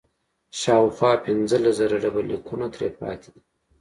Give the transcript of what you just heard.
شاوخوا پنځلس زره ډبرلیکونه ترې پاتې دي.